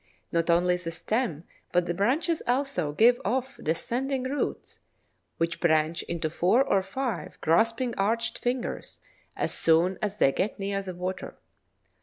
Not only the stem but the branches also give off descending roots, which branch into four or five grasping arched fingers as soon as they get near the water.